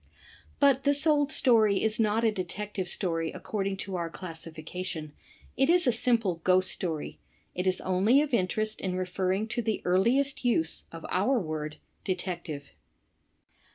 But this old story is not a Detective Story according to our classification, it is a simple Ghost Story. It is only of in terest in referring to the earliest use of our word ''detective."